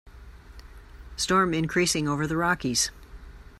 Storm increasing over the Rockies.